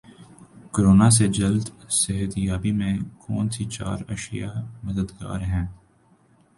corona سے جلد صحت یابی میں کون سی چار اشیا مددگار ہیں